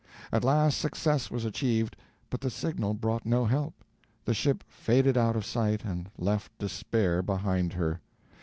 At last success was achieved, but the signal brought no help. The ship faded out of sight and left despair behind her.